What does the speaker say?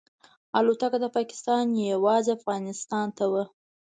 الوتکه د پاکستان یوازې افغانستان ته وه.